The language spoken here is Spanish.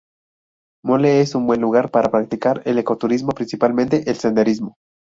Mole es un buen lugar para practicar el ecoturismo, principalmente el senderismo.